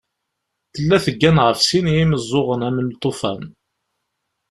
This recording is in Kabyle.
Tella teggan ɣef sin n yimeẓẓuɣen am lṭufan.